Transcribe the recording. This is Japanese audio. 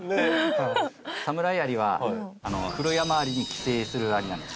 サムライアリはクロヤマアリに寄生するアリなんです。